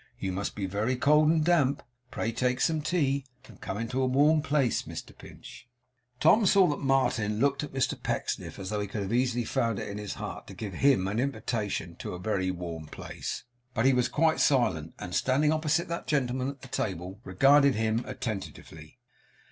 'You must be very cold and damp. Pray take some tea, and come into a warm place, Mr Pinch.' Tom saw that Martin looked at Mr Pecksniff as though he could have easily found it in his heart to give HIM an invitation to a very warm place; but he was quite silent, and standing opposite that gentleman at the table, regarded him attentively.